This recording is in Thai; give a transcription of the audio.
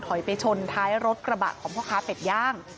ไปชนท้ายรถกระบะของพ่อค้าเป็ดย่าง